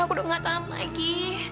aku udah gak tahu lagi